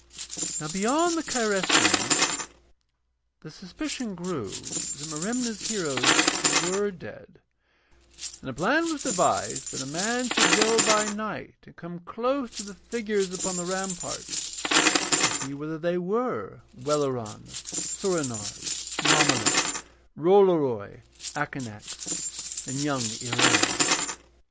Now beyond the Cyresians the suspicion grew that Merimna's heroes were dead, and a plan was devised that a man should go by night and come close to the figures upon the ramparts and see whether they were Welleran, Soorenard, Mommolek, Rollory, Akanax, and young Iraine.